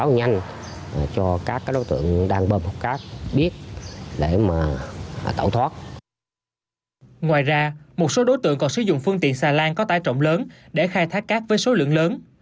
ngoài ra một số đối tượng còn sử dụng phương tiện xà lan có tải trọng lớn để khai thác cát với số lượng lớn